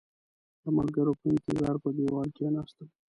د ملګرو په انتظار پر دېوال کېناستم.